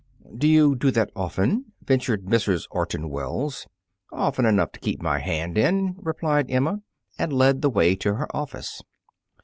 "Do you do that often?" ventured Mrs. Orton Wells. "Often enough to keep my hand in," replied Emma, and led the way to her office.